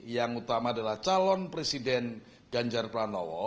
yang utama adalah calon presiden ganjar pranowo